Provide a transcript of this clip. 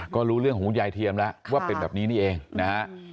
ก็รู้เรื่องของคุณยายเทียมแล้วว่าเป็นแบบนี้นี่เองนะฮะ